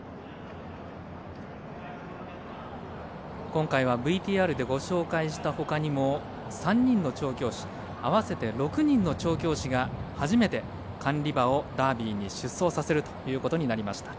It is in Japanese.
今回はＶＴＲでご紹介したほかにも３人の調教師合わせて６人の調教師が初めて管理馬をダービーに出走させるということになりました。